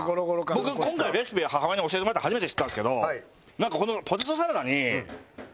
僕今回レシピ母親に教えてもらって初めて知ったんですけどなんかこの。